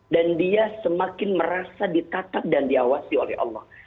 dan dia semakin merasa ditatap dan diawasi oleh allah